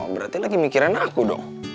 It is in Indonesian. berarti lagi mikirin aku dong